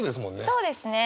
そうですね。